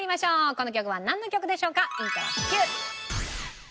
この曲はなんの曲でしょうか？